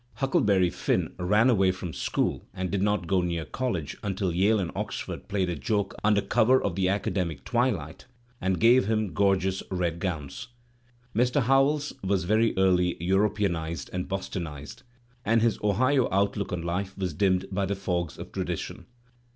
Huckle ^ berry Finn ran away from school and did not go near college j until Yale and Oxford played a joke under cover of the/ academic twilight and gave him gorgeous red gowns. Mr.j Howells was very early Europeanized and Bostonized, q and his Ohio outlook on life was dimmed by the fogs of ^ tradition.